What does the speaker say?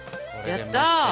やった！